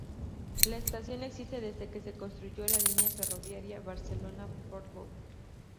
La estación existe desde que se construyó la línea ferroviaria Barcelona-Portbou.